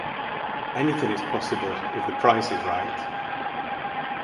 Anything is possible, if the price is right!